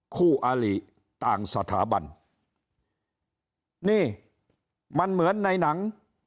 อาหลีต่างสถาบันนี่มันเหมือนในหนัง